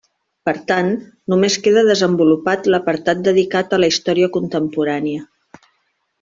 Per tant, només queda desenvolupat l'apartat dedicat a la història contemporània.